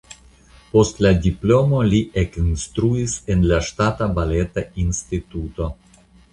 Post la diplomo li ekinstruis en la Ŝtata Baleta Instituto.